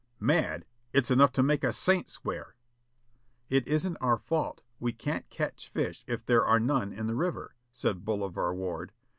"Mad ! it's enough to make a saint swear." "It isn't our fault, we can't catch fish if there are none in the river," said Bolivar Ward.